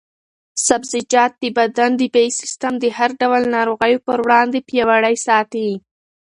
سبزیجات د بدن دفاعي سیسټم د هر ډول ناروغیو پر وړاندې پیاوړی ساتي.